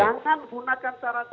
jangan gunakan cara cara